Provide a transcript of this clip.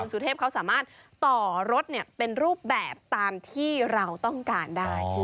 สุเทพเขาสามารถต่อรถเป็นรูปแบบตามที่เราต้องการได้